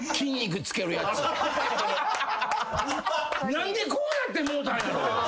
何でこうなってもうたんやろ。